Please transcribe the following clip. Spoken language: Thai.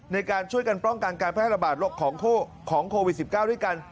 ในการช่วยกันป้องกันการแพร่ระบาดของโควิด๑๙ด้วยกัน